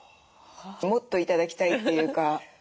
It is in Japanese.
もっと頂きたいというか。